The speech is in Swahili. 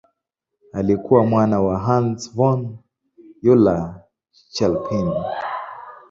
Alikuwa mwana wa Hans von Euler-Chelpin.